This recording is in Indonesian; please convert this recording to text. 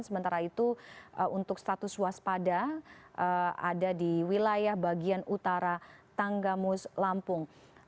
sementara itu untuk status waspada ada di wilayah bagian utara tanggamus lampung